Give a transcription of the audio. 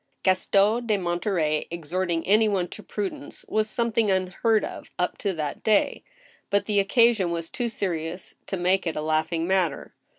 Gaston de Monterey exhorting any one to prudence was some thing unheard of up to that day, but the occasion was too serious to make it a laughing matter.